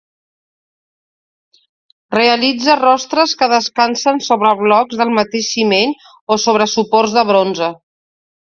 Realitza rostres que descansen sobre blocs del mateix ciment o sobre suports de bronze.